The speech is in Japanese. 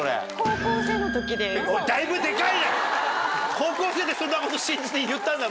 高校生でそんなこと信じて言ったんだ？